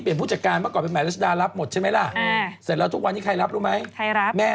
เธอไปดูเฟซบุ๊กกับลาชดาซิเขายงกันไปเองแล้วหรอคุณแม่